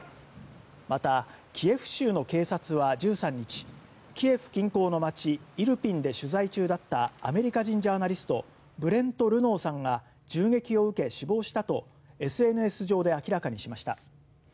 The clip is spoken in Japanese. また、キエフ州の警察は１３日キエフ近郊の街イルピンで取材中だったアメリカ人ジャーナリストブレント・ルノーさんが銃撃を受け、死亡したとＳＮＳ上で明らかにしました。